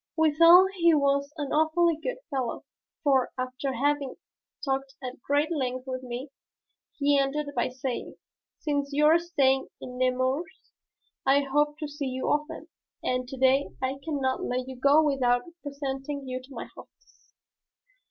Withal he was an awfully good fellow, for, after having talked at great length with me, he ended by saying, "Since you are staying in Nemours I hope to see you often, and to day I cannot let you go without presenting you to my hostess."